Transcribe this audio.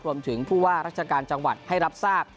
รวมถึงผู้ว่าราชการจังหวัดให้รับทราบ